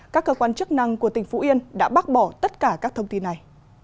các cơ quan chức năng của tỉnh phú yên đã bác bỏ tất cả các thông tin này